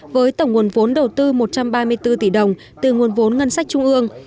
với tổng nguồn vốn đầu tư một trăm ba mươi bốn tỷ đồng từ nguồn vốn ngân sách trung ương